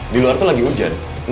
di luar itu lagi hujan